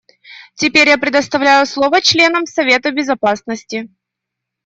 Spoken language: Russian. Теперь я предоставляю слово членам Совета Безопасности.